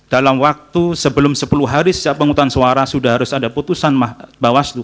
dalam waktu sebelum sepuluh hari sejak penghutang suara sudah harus ada putusan bawaslu